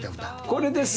これです！